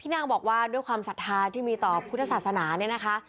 พี่นางบอกว่าด้วยความสัตถาที่มีต่อพุทธศาสนานี้นะคะ